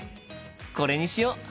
これにしよう！